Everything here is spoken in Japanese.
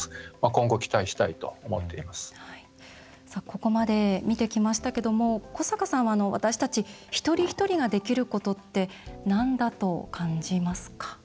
ここまで見てきましたが古坂さんは私たち一人一人ができることってなんだと感じますか？